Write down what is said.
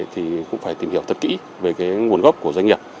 thì cũng phải tìm hiểu thật kỹ về cái nguồn gốc của doanh nghiệp